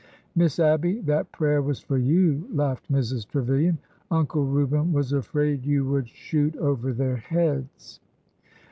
" Miss Abby, that prayer was for you," laughed Mrs. Trevilian. " Uncle Reuben was afraid you would shoot over their heads."